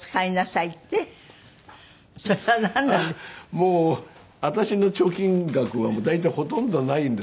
もう私の貯金額は大体ほとんどないんですよ。